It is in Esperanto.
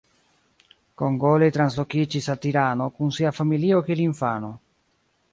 Kongoli translokiĝis al Tirano kun sia familio kiel infano.